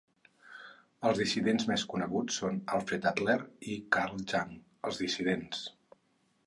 "Els dissidents més coneguts són Alfred Adler i Carl Jung...Els Dissidents".